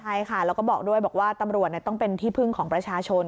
ใช่ค่ะแล้วก็บอกด้วยบอกว่าตำรวจต้องเป็นที่พึ่งของประชาชน